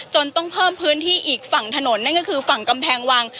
ต้องเพิ่มพื้นที่อีกฝั่งถนนนั่นก็คือฝั่งกำแพงวัง